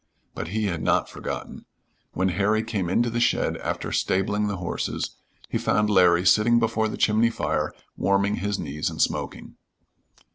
But he had not forgotten. When Harry came into the shed after stabling the horses, he found Larry sitting before the chimney fire warming his knees and smoking.